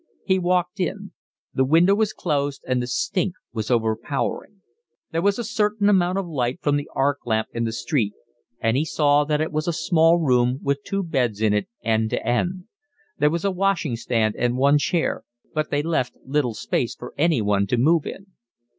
He walked in. The window was closed and the stink was overpowering. There was a certain amount of light from the arc lamp in the street, and he saw that it was a small room with two beds in it, end to end; there was a washing stand and one chair, but they left little space for anyone to move in.